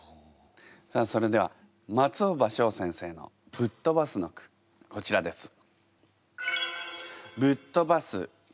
さあそれでは松尾葉翔先生の「ぶっとばす」の句こちらです。